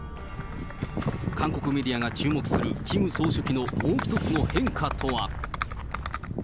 韓国メディアが注目するキム総書記のもう一つの変化とは。